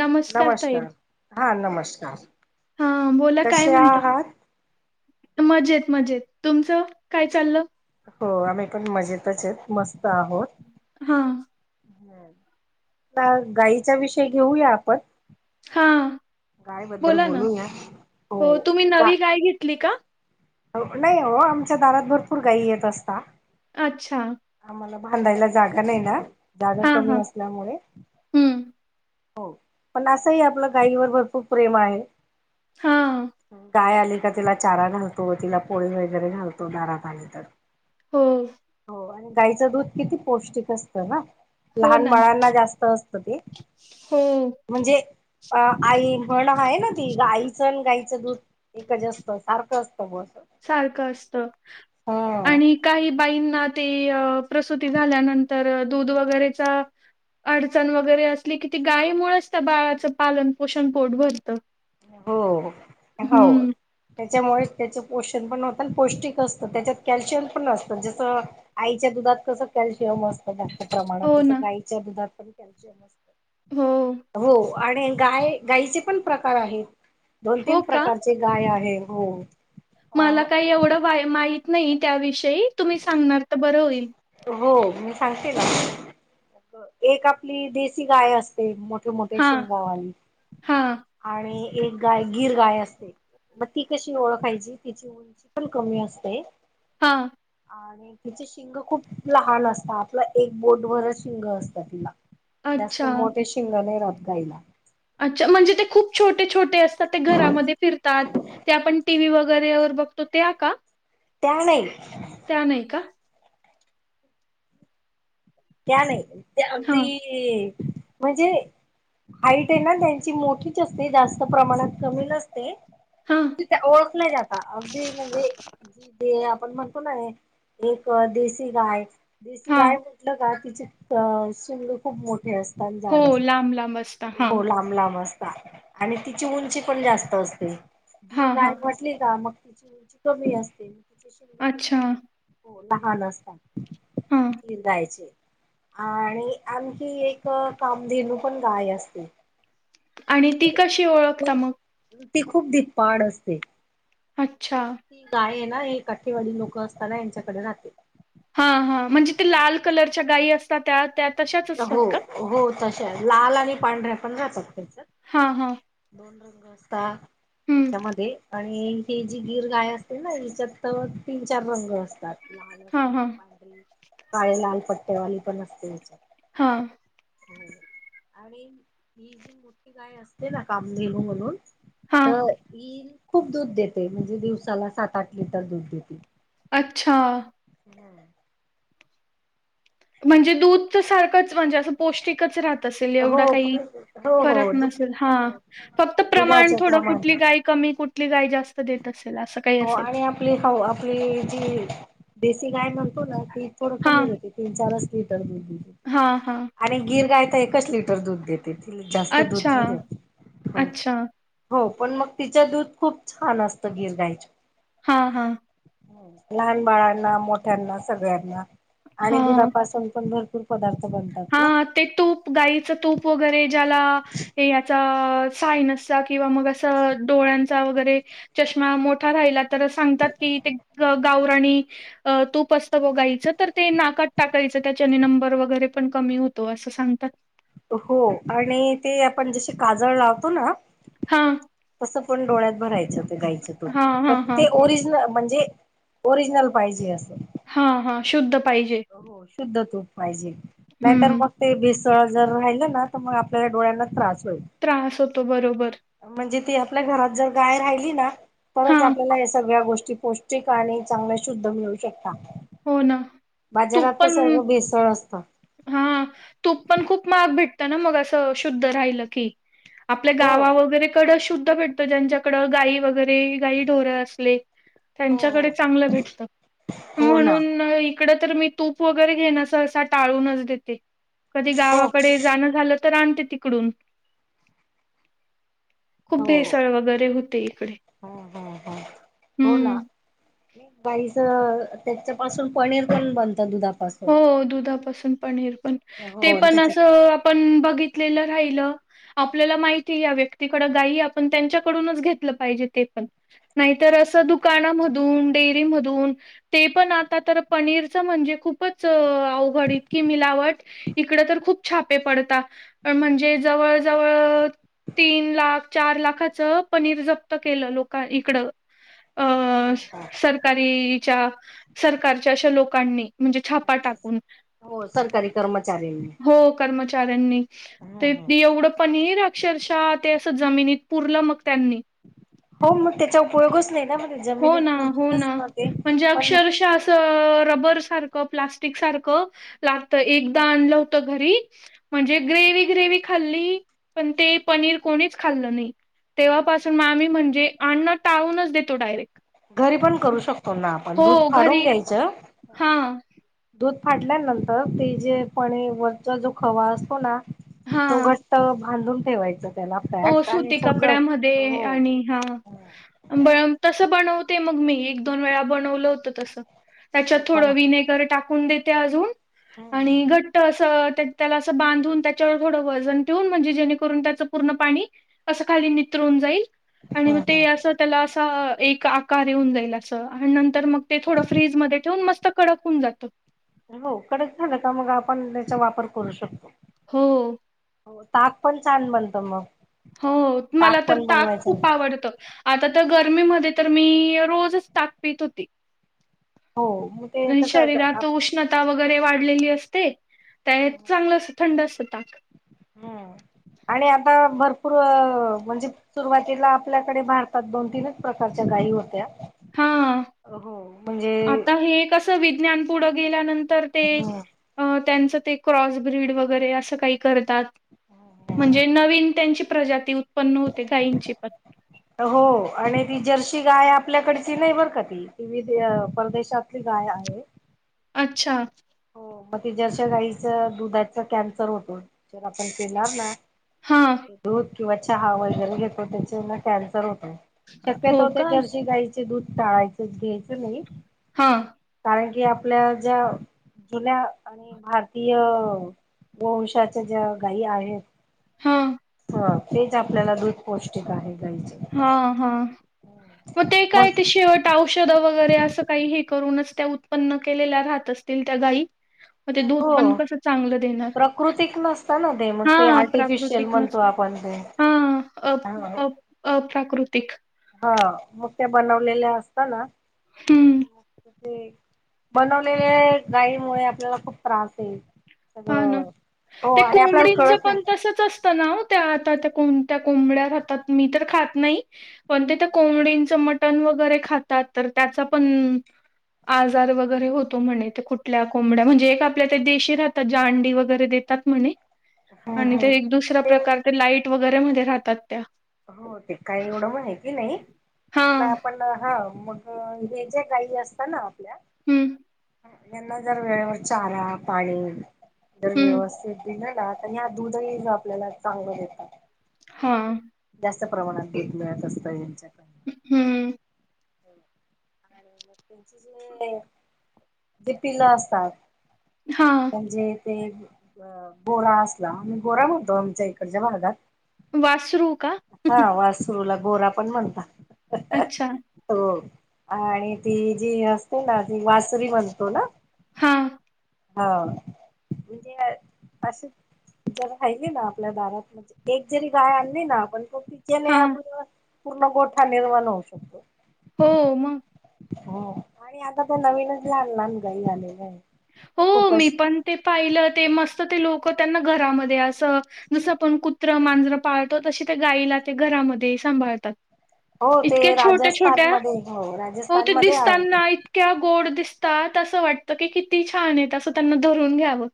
नमस्कार ताई, हा नमस्कार हा बोला काय कसे म्हणता? आहात मजेत मजेत, तुमच काय चालल? हो आम्ही पण मजेतच आहेत. मस्त आहोत. हा आता गाईचा विषय घेऊया आपण. हा गायबद्दल बोलू ना? हो तुम्ही गा नवी गाय घेतली का? नाही हो, आमच्या दारात भरपूर गाई येत असता. अच्छा आम्हाला बांधायला जागा नाही ना, जागा हा कमी हा असल्यामुळे हम्म हो, पण असही आपल गायीवर भरपूर प्रेम आहे. हा गाय आली का तिला चारा घालतो. तिला पोळी वगैरे घालतो दारात आली तर. हो गाईच दूध किती पौष्टिक असत ना. हो लहान ना बाळांना जास्त असत ते. हो म्हणजे अ आई म्हण आहे ना ती. आईच अन गाईच दूध एकच असत. सारख असत बा अस. सारख असत. आणि काही बाईंना ते प्रसुती झाल्यानंतर दूध वगैरेचा अडचण वगैरे, असली की ती गायीमुळेच त्या बाळाचं पालन पोषण पोट भरतं. हो हो हाव हम्म त्याच्यामुळेच त्याच पोषण पण होत आणि पौष्टिक असतं त्याच्यात कॅल्शियम पण नसतं जसं आईच्या दुधात कसं कॅल्शियम असतं जास्त प्रमाणात, हो तसं ना गाईच्या दुधात पण कॅल्शियम असतं. हो हो आणि गाय, गाईचे पण प्रकार आहेत, दोन हो -तीन का प्रकार ते गाय आहे हो मला अ काय एवढं वा, माहीत नाही त्याविषयी, तुम्ही सांगणार तर बरं होईल. हो मी सांगते ना, एक आपली देसी गाय अस ते मोठे, मोठे हा शिंगांवाली हा आणि एक गाय गिर गाय असते मग ती कशी ओळखायची, तिची उंची पण कमी असते. हां आणि तिची शिंगं खूप लहान असत, आपलं एक बोटबर शिंग असतं तिला जास्त अच्छा मोठे शिंगं नाही राहत गाईला. अच्छा, म्हणजे ते खूप छोटे- छोटे असतात ते घरामध्ये फिरतात, ते आपण टी व्ही वगैरे वर बघतो त्या का? त्या नाही त्या नाही का? त्या नाही, ते हां अगदी म्हणजे हाईट हे ना त्यांची मोठीच असते जास्त प्रमाणात कमी नसते हां ओळखल्या जाता, अगदी म्हणजे गिडे आपण म्हणतो ना हे एक देसीगाय, हां देसीगाय का तिचे शिंगे खूप मोठे अस हो लांब, लांब अस हो लांब लांब असता आणि तिची उंची पण जास्त असते. हां गीरगाय हां वाट उटली का, मक तिची उंची कमी असते पण अच्छा. छोटे लहान असता, हां गीर गायचे आणि आणखी एक कामधेनू पण गाय असते. आणि ती कशी खूप ओळखता मक? ती खूप धिपाड असते. अच्छा ती गाय आहे ना हे काठेवाडी लोकं असत ना यांच्याकडे राहते. हा, हा म्हणजे ते लाल कलरच्या गायी असतात त्या, त्यात हो, हो तशा लाल आणि पांढऱ्या पण राहतात [unintelligible] हा हा [unintelligible] पा, त्याच्यामध्ये आणि ही जी गीर गाय असते ना, हिच्यात तीन -चार रंग असतात. हां हां [unintelligible] काळे, लाल पट्टेवाली पण असते. हा [unintelligible] गाय असते ना कामधेनू म्हणून हां तर ई खूप दूध देते, म्हणजे दिवसाला सात -आठ लिटर दूध देते. अच्छा [unintelligible] म्हणजे दूध तर सारखंच म्हणजे असं पौष्टिकच राहत असेल, एवढं हो काही पण हो फरक हो दूध नसेल हा. हो फक्त प्रमाण थोडं कुठली गाय कमी, कुठली गाय जास्त देत असेल असं काही असेल. प्ली हाव. आपली जी देसी गाय म्हणतो न ती थोड कमी देते. तीन-चार असं ही तर बी बी बी. हा हा. आणि गिर गाय तर एकच लिटर दूध देते. ती जास्त दूध अच्छा, नाही देत. हो. अच्छा. हो पण मग तिच दूध खूप छान असतं गिर गायीच. हा हा. लहान बाळांना, मोठ्यांना, सगळ्यांना. आणि हां. दुधापासून पण भरपूर पदार्थ बनतात ना. हां, ते तूप, गायीचं तूप वगैरे ज्याला हे याचा.. आ.. सायनसचा किंवा मग असं डोळ्यांचा वगैरे चष्मा मोठा राहिला तर सांगतात की, ते गावराणी अ तूप असतं ग गाईचं तर ते नाकात टाकायचं त्याच्याने नंबर वगैरे पण कमी होतो असं सांगतात. हो. आणि ते आपण जसे काजळ लावतो न हां. तसं पण डोळ्यात भरायचं ते गायीचं तुप. हां, पण हां, हां. ते ओरिजन म्हणजे ओरिजनल पाहिजे असं. हा हा, शुद्ध पाहिजे. हो शुद्ध तूप पाहिजे. नाहीर हं. मग ते भिसळ जर राहिलं ना, त म आपल्याला डोळ्यांना त्रास होईल. त्रास होतो बरोबर. म्हणजे ती आपल्या घरात जर गाय राहिली ना, तरच हां, आपल्याला या सगळ्या गोष्टी पौष स्टिक आणि चांगल्या शुद्ध मिळू शकता. हो न. बाजारात तर सगळं भेसळ असतं. हा तूप पण खूप महाग भेटतं न मग असं शुद्ध राहिलं की. आपल्या हो गावा वगैरे कडं शुद्ध भेटतं ज्यांच्याकडं गाई वगैरे गाई ढोर असले हो हो त्यांच्याकडे चांगलं भेटत. हो ना म्हणून अ इकडं तर मी तूप वगैरे घेण्याच असा टाळूनच देते. कधी हो गावाकडे जाणं झालं तर आणते तिकडून. खूप हो भेसळ वगैरे होते इकडे. हम्म हम्म हम्म्. पाईच, त्यांच्या पाासून पनीर पण बनतं दुधा हो दुधापासून पनीर पण, ते हो पण त्याच्यात असं आपण बघितलेलं राहिलं आपल्याला माहिती या व्यक्तीकड गाई आपण त्यांच्याकडूनच घेतलं पाहिजे ते पण. नाहीतर असं दुकानामधून, डेअरीमधून ते पण आता तर पनीरचं म्हणजे खूपच अ आवघड इतकी मिलावट. इकडं तर खूप छापे पडता अ म्हणजे जवळ जवळ तीन लाख, चार लाखाचं पनीर जप्त केलं लोका इकडं. अ.. सरकारी.. इ.. च्या सरकारच्या अशा लोकांनी. म्हणजे छापा अच्छाच टाकून. हो सरकारी कर्मचारींनी ‌ हो कर्मचाऱ्यांनी. ते त एवढं पनीर अक्षरशः ते असं जमिनीत पुरलं मग त्यांनी. हो मग त्याचा उपयोगच नाही ना म. हो ना हो ना म्हणजे पण अक्षरशा रबर सारखं प्लास्टिक सारखं लागत. एकदा आणलं होत घरी म्हणजे ग्रेव ग्रेवी खाल्ली पण ते पनीर कोणीच खाल्लं नाय. तेव्हापासून आम्ही म्हणजे अन्न टाळूनच देतो डायरेक्ट. घरी पण करू शकतो ना आपण हो दूध फाडून घरी घ्यायचं. हा. दूध फाटल्यानंतर ते जे पनीर वरचा जो खवा असतो ना हा तो घट बांधून ठेवायचं त्याला हो पॅक आणि सुती सगळं कपड्यामध्ये हो. आणि हा ब तसं बनवते मग मी एक दोन वेळा बनवलं होतं तसं. त्याच्यात हो पण थोडं विनेगर टाकून देते अजून आणि घट्ट असं त्या त्याला असं बांधून त्याच्यावर थोडं वजन ठेवून म्हणजे जेणेकरून त्याच पूर्ण पाणी असं खाली नित्रून जाईल. आणि म ते असं त्याला असा एक आकार येऊन जाईल अस आणि नंतर मग ते थोडं फ्रीज मध्ये ठेवून मस्त कडक हून जात. हो कडक झालं का मग आपण त्याचा वापर करू शकतो. हो. हो ताक पण छान बनत म. हो मला तर ताक खूप आवडतं. आता तर गर्मीमध्ये तर मी रोजच ताक पित होती. हो मग ते त्यानं कसं शरीरातात उष्ण ता वगैरे वाढलेली असते त्यायत चांगलं अस थंड असत ताक. हम्म, आणि आता भरपूर अ म्हणजे सुरुवातीला आपल्याकडे भारतात दोन तीनच प्रकारच्या गायी होत्या. हा हो म्हणजे कस विज्ञान पुढं गेल्यानंतर ते त्यांचं ते क्रॉसब्रीड वगैरे असं काय करतात. म्हणजे नवीन त्यांची प्रजाती उत्पन्न होते गायींची पण. हो आणि ती जर्शी गाय आपल्याकडची नायबर का ती. विधेय परदेशातली गाय आहे. अच्छा. हो मग ते जरशा गाईचं दुधाचा कॅन्सर होतो जर आपण पेणार ना. हां. दूध किंवा चहा वगैरे घेतो त्याच्या हेन कॅन्सर होतो. हो शक्यतो ते का जरशी गायचे दूध टाळायच घ्यायचं नाय. हा. कारण की आपल्या ज्या जुन्या आणि भारतीय वंशाच्या ज्या गायी आहेत. हा. हा तेच आपल्याला दूध पौष्टिक आहे गाईचं. हा हा म ते काय मग ते शेवट औषध वगैरे असं काही हे करूनच त्या उत्पन्न केलेल्या राहत असतील त्या गाई. म ते दूध हो पण कस चांगलं देणार प्राकृतिक नसतं ना ते मग हा. ते आर्टिफिशियल प्राकृतिक म्हणतो नस आपण ते हा अप ह अप अ -प्राकृतिक. हा मोठ्या बनवलेल्या असत ना हं. ते बनवलेले गाईमुळे आपल्याला खूप त्रास येईल. हा ना ते आपल्याला कोंबडींचं कळत नाही पण तसच अस त्या नाव आता त्या कोणत्या कोंबड्या खातात? मी तर खात नाही. पण ते तर कोंबडींचं मटण वगैरे खातात तर त्याच पण आजार वगैरे होतो म्हणे ते कुठल्या कोंबड्या म्हणजे? एक आपल्या त्या देशी राह त्याच्या अंडी वगैरे देतात म्हणे, हम्म आणि हम्म ते दुसरा प्रकार ते लाईट वगैरे मध्ये राहतात त्या. हो ते काही एवढं माहिती नाही पण हां. आपण हा मग अ हे ज्या काही असता ना आपल्या हम्म. त्यांना जर वेळेवर चारा, पाणी जर हं. व्यवस्थित दिल ना? तर ह्या दूधही आपल्याला चांगलं देतात. हम. जास्त प्रमाणात पीक मिळत असतं यांच्यात हम्म. आणि मग त्यांची जे, ती पिलं असतात. हा. म्हणजे ते गोरा असला, आम्ही गोरा म्हणतो आमच्या इकडच्या भागात. वासरू. का? हा वासरूला गोरा पण म्हणता. अच्छा. आणि ती जी असते ना? ती वासरी म्हणतो ना? हां, हाव म्हणजे आ असं? जर राहिली ना आपल्या दारात म्हणजे एक जरी गाय आणली ना आपण? तच्याने हां. आपण पूर्ण गोठा निर्माण होऊ शकतो. हो मग. हा आणि आता ते नवीनच लहान लहान गाई आलेले आहेत. हो मी पण ते पाहिलं ते मस्त ते लोक त्यांना घरामध्ये असं जसं आपण कुत्रं, मांजरं पाळतो तसे ते गायीला ते घरामध्ये सांभाळतात. हो ते इतक्या छोट्या छोट्या राजस्थानमध्ये हो हो ते राजस्थानमध्ये आहे ते दिसताना इ तक्या गोड दिसतात, असं वाटतं की किती छान आहेत, असं त्यांना धरून घ्यावं.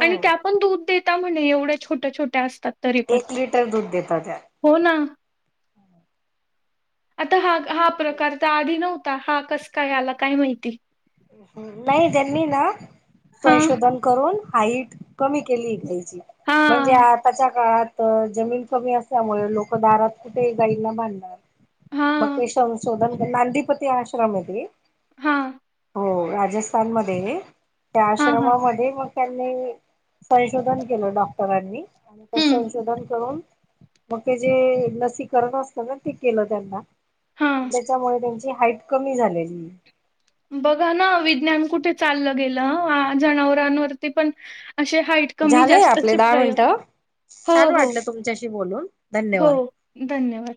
आणि त्या पण दूध देता म्हणे एवढ्या छोट्या छोट्या असतात. तरी पण. एक लिटर दूध देता त्या. हो ना. आता हा हा प्रकार त आधी नव्हता, हा कस काय आला? काय माहिती? नाही त्यांनी ना? हां संशोधन करून हाईट कमी केली इथे. म्हणजे हां आताच्या काळात तर जमीन कमी असल्यामुळे लोक दारात कुठे गाईंना बांधणार? मग हां ते संशोधन नांदीपती आश्रम आहेे ते. हा. हो राजस्थानमध्ये त्या हां हां आश्रमामध्ये मग त्यांनी संशोधन केलं डॉक्टरांनी, मग हम्म संशोधन करून मग ते जे लसीकरण असत ना ते केलं त्यांना हां. त्याच्यामुळे त्यांची हाईट कमी झालेय. बघा ना विज्ञान कुठे चाललं, गेलं अ जनावरांवरती पण असे हाईट कमी झालंय आपले जास्तचे दहा प्रयोग मिनट, हो छान हो वाटलं तुमच्याशी बोलून हो धन्यवाद. धन्यवाद